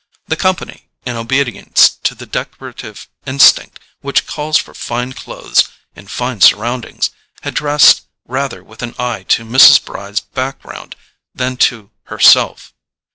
The company, in obedience to the decorative instinct which calls for fine clothes in fine surroundings, had dressed rather with an eye to Mrs. Bry's background than to herself.